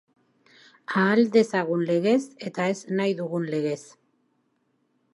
Ahal dezagun legez eta ez nahi dugun legez.